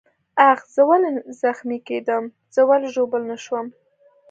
آخ، زه ولې نه زخمي کېدم؟ زه ولې ژوبل نه شوم؟